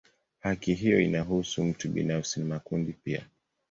Haki hiyo inahusu mtu binafsi na makundi pia.